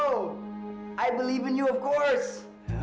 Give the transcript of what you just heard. saya percaya pada kamu tentu saja